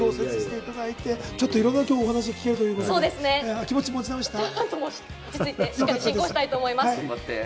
今日はいろんなお話が聞けるということで、気持ちは戻りましたか？